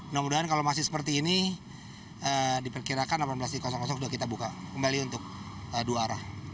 mudah mudahan kalau masih seperti ini diperkirakan delapan belas sudah kita buka kembali untuk dua arah